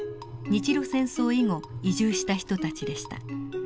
日露戦争以後移住した人たちでした。